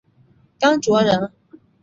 甘卓人。